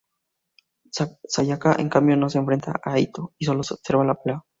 Sayaka, en cambio, no se enfrenta a Ittō y solo observa la pelea.